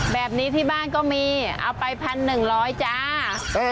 แบบนี้ที่บ้านก็มีเอาไป๑๑๐๐จ้า